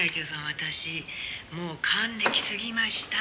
私もう還暦過ぎました」